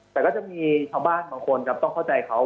แต่ก็จะมีชาวบ้านบางคนครับต้องเข้าใจเขา